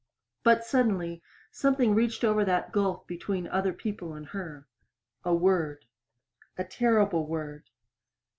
But suddenly something reached over that gulf between other people and her. A word. A terrible word.